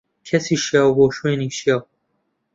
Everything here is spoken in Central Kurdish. کەسی شیاو، بۆ شوێنی شیاو.